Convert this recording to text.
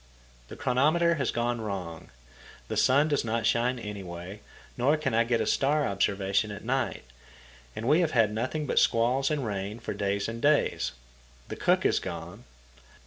The chronometer has gone wrong. The sun does not shine anyway, nor can I get a star observation at night, and we have had nothing but squalls and rain for days and days. The cook is gone.